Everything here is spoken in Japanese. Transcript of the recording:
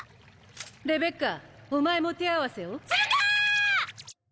レベッカお前も手合わせを？するか！